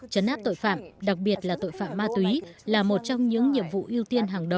chấn áp tội phạm đặc biệt là tội phạm ma túy là một trong những nhiệm vụ ưu tiên hàng đầu